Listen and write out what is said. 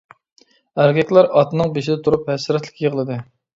ئەركەكلەر ئاتنىڭ بېشىدا تۇرۇپ ھەسرەتلىك يىغلىدى.